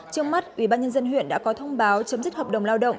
trước mắt ubnd huyện đã có thông báo chấm dứt hợp đồng lao động